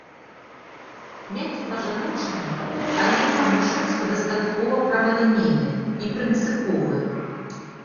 Мяккі па-жаночаму, але і па-мужчынску дастаткова прамалінейны і прынцыповы.